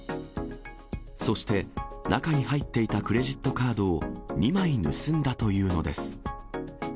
そして、中に入っていたクレジットカードを２枚盗んだというのです。